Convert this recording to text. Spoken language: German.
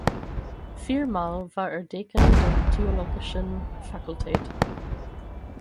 Viermal war er Dekan der theologischen Fakultät.